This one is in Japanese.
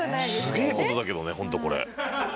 すげえ事だけどねホントこれ。